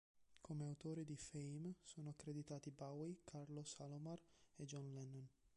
Come autori di "Fame" sono accreditati Bowie, Carlos Alomar e John Lennon.